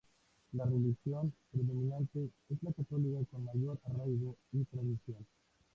La religión predominante es la católica con mayor arraigo y tradición.